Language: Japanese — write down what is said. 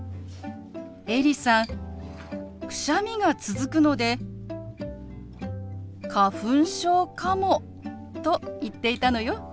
エリさんくしゃみが続くので「花粉症かも」と言っていたのよ。